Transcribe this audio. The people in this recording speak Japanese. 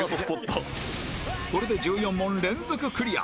これで１４問連続クリア